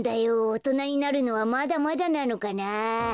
おとなになるのはまだまだなのかなあ。